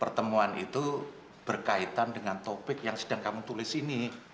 pertemuan itu berkaitan dengan topik yang sedang kami tulis ini